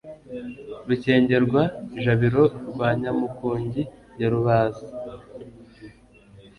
Rukengerwa-jabiro rwa Nyamukungi ya Rubazi,